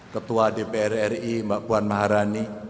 ketua dpr ri mbak puan maharani